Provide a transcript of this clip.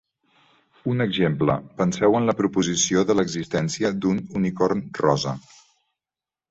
Un exemple: penseu en la proposició de l'existència d'un "unicorn rosa".